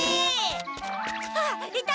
あっいた！